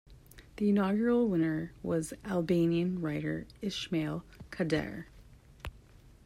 The inaugural winner was Albanian writer Ismail Kadare.